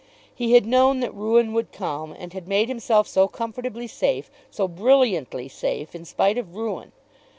He had known that ruin would come, and had made himself so comfortably safe, so brilliantly safe, in spite of ruin.